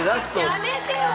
やめてよ！